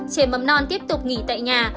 trề mầm non tiếp tục nghỉ tại nhà